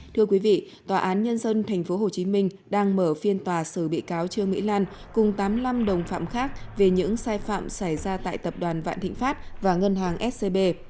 thưa quý vị tòa án nhân dân tp hcm đang mở phiên tòa xử bị cáo trương mỹ lan cùng tám mươi năm đồng phạm khác về những sai phạm xảy ra tại tập đoàn vạn thịnh pháp và ngân hàng scb